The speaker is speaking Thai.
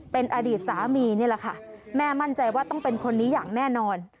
เป็นอดีตสามีนี่แหละค่ะแม่มั่นใจว่าต้องเป็นคนนี้อย่างแน่นอน